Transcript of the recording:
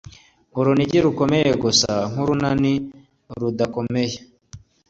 urunigi rukomeye gusa nkurunani rudakomeye.